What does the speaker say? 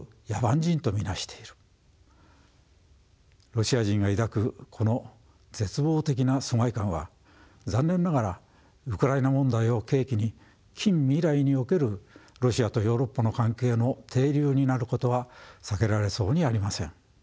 ロシア人が抱くこの絶望的な疎外感は残念ながらウクライナ問題を契機に近未来におけるロシアとヨーロッパの関係の底流になることは避けられそうにありません。